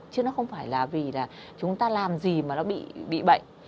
chứ nó không phải là vì là chúng ta làm gì mà nó bị bệnh